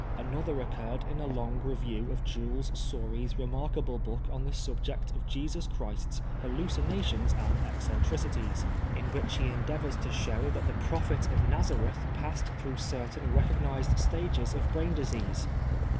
Another occurred in a long review of Jules Soury's remarkable book on the subject of Jesus Christ's hallucinations and eccentricities, in which he endeavors to show that the Prophet of Nazareth passed through certain recognised stages of brain disease.